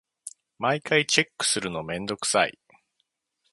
毎回チェックするのめんどくさい。